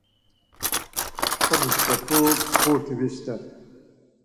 Çxomi p̌ç̌opum, burti vister.